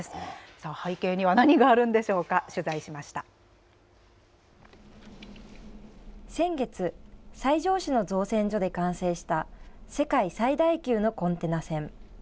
さあ、背景には何があるんでしょうか先月、西条市の造船所で完成した世界最大級のコンテナ船。